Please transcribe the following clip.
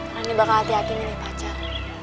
nani bakal hati hati milih pacar